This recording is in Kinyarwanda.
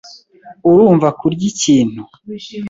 Urumva kurya ikintu?